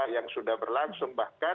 yang sudah berlangsung bahkan